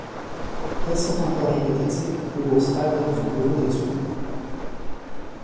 Elles sont encore hypothétiques ou aux stades du bureau d'études.